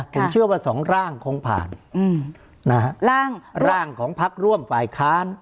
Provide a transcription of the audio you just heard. ผมเชื่อว่า๒ร่างคงผ่านร่างของพักร่วมฝ่ายค้าน